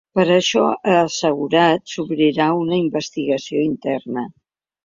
Per això, ha assegurat, s’obrirà una investigació interna.